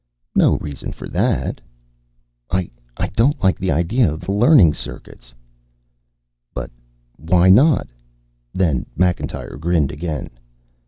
"No reason for that." "I don't like the idea of the learning circuits." "But why not?" Then Macintyre grinned again.